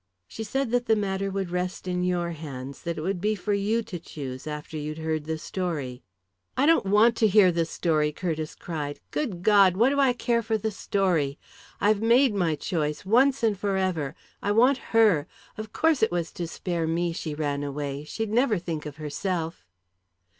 She said that the matter would rest in your hands that it would be for you to choose, after you'd heard the story." "I don't want to hear the story!" Curtiss cried. "Good God! What do I care for the story! I've made my choice, once and forever! I want her! Of course it was to spare me she ran away! She'd never think of herself!"